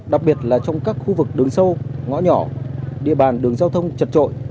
đặc biệt là trong các khu vực đường sâu ngõ nhỏ địa bàn đường giao thông trật trội